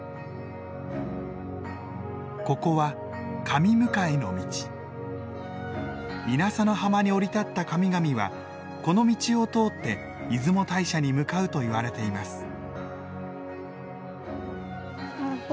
ここは稲佐の浜に降り立った神々はこの道を通って出雲大社に向かうといわれています。